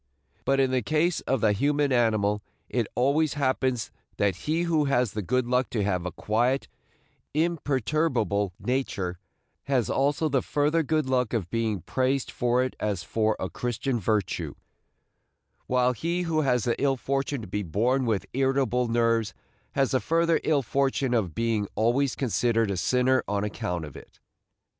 But in the case of the human animal it always happens that he who has the good luck to have a quiet, imperturbable nature has also the further good luck of being praised for it as for a Christian virtue, while he who has the ill fortune to be born with irritable nerves has the further ill fortune of being always considered a sinner on account of it.